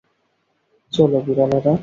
চলো, বিড়ালেরা।